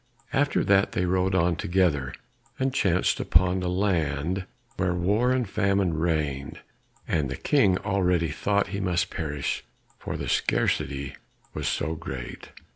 After that they rode on together, and chanced upon a land where war and famine reigned, and the King already thought he must perish, for the scarcity was so great.